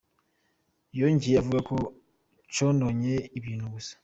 Yongera ivuga ko cononye ibintu gusa.